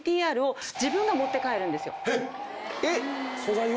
えっ⁉素材を。